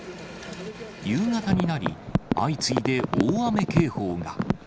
夕方になり、相次いで大雨警報が。